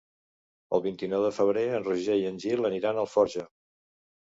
El vint-i-nou de febrer en Roger i en Gil aniran a Alforja.